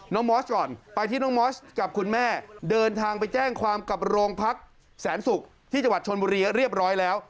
มอสก่อนไปที่น้องมอสกับคุณแม่เดินทางไปแจ้งความกับโรงพักแสนศุกร์ที่จังหวัดชนบุรีเรียบร้อยแล้ว